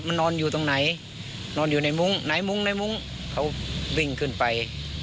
มันนอนอยู่ตรงไหนนอนอยู่ในมุ้งไหนมุ้งในมุ้งเขาวิ่งขึ้นไป